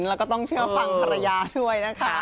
แล้วก็ต้องเชื่อฟังภรรยาด้วยนะคะ